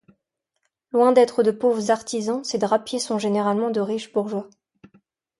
Loin d'être de pauvres artisans, ces drapiers sont généralement de riches bourgeois.